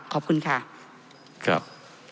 ขอบคุณค่ะครับ